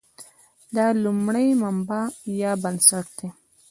دا لومړی مبنا یا بنسټ دی.